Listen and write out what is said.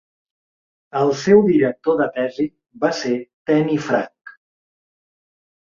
El seu director de tesi va ser Tenney Frank.